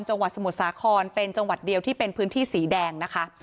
จังหวัดสมุทรสาครเป็นจังหวัดเดียวที่เป็นพื้นที่สีแดงนะคะ